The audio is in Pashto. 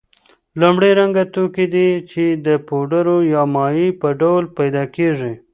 لومړی رنګه توکي دي چې د پوډرو یا مایع په ډول پیدا کیږي.